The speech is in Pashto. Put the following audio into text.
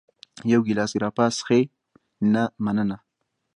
یو ګېلاس ګراپا څښې؟ نه، مننه.